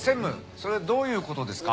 それどういうことですか？